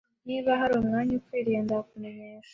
Niba hari umwanya ukwiye, nzakumenyesha